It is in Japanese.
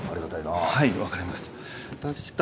はい分かりました。